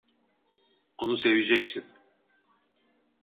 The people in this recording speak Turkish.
Onu seveceksin.